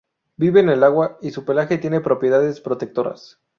Vive en el agua y su pelaje tiene propiedades protectoras.